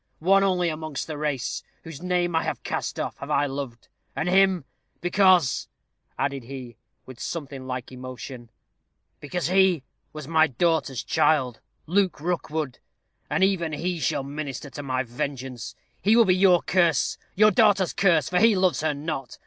One only amongst the race, whose name I have cast off, have I loved; and him because," added he, with something like emotion "because he was my daughter's child Luke Rookwood. And even he shall minister to my vengeance. He will be your curse your daughter's curse for he loves her not.